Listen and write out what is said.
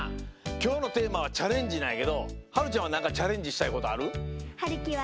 きょうのテーマは「チャレンジ」なんやけどはるちゃんはなんかチャレンジしたいことある？はるきはね